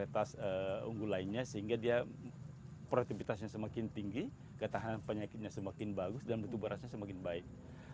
dan paritas unggul lainnya sehingga dia produktivitasnya semakin tinggi ketahanan penyakitnya semakin bagus dan mutu berasnya semakin baik